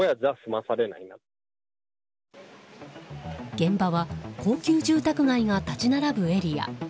現場は高級住宅街が立ち並ぶエリア。